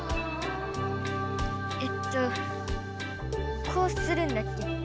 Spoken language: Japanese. えっとこうするんだっけ？